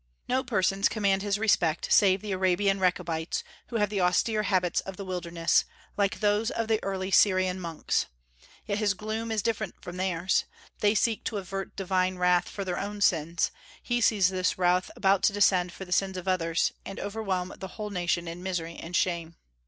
No persons command his respect save the Arabian Rechabites, who have the austere habits of the wilderness, like those of the early Syrian monks. Yet his gloom is different from theirs: they seek to avert divine wrath for their own sins; he sees this wrath about to descend for the sins of others, and overwhelm the whole nation in misery and shame.